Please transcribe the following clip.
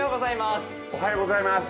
おはようございます。